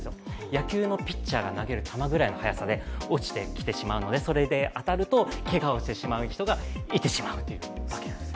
野球のピッチャーが投げる球ぐらいの速さで落ちてきてしまうのでそれで当たるとけがをしてしまう人が出てしまうということです。